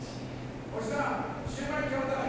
「おじさんシューマイちょうだい」。